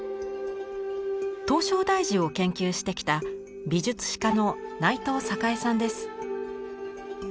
唐招提寺を研究してきた美術史家の内藤栄さんです。